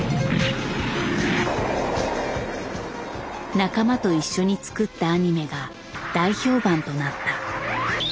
仲間と一緒に作ったアニメが大評判となった。